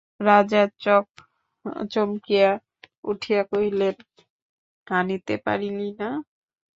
রাজা চমকিয়া উঠিয়া কহিলেন, আনিতে পারিলি না?